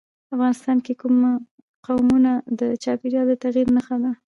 افغانستان کې قومونه د چاپېریال د تغیر نښه ده.